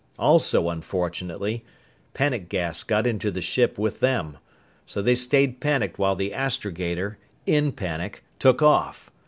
Also unfortunately, panic gas got into the ship with them. So they stayed panicked while the astrogator in panic! took off.